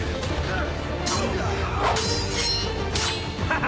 ハハ！